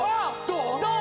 ⁉どう？